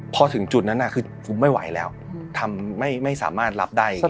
พอถึงจุดนั้นน่ะคือไม่ไหวแล้วอืมทำไม่ไม่สามารถรับได้อีกแล้ว